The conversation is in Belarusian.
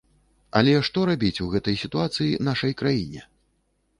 Але што рабіць у гэтай сітуацыі нашай краіне?